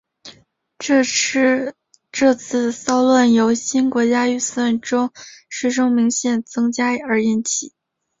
这次骚乱由新国家预算中税收明显增加而引起。